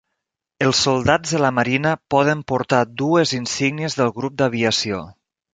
Els soldats de la marina poden portar dues insignes del grup d'aviació.